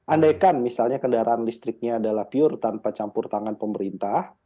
andaikan misalnya kendaraan listriknya adalah pure tanpa campur tangan pemerintah